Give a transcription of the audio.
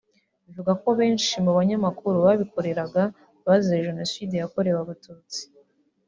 bivugwa ko benshi mu banyamakuru babikoreraga bazize Jenoside yakorewe Abatutsi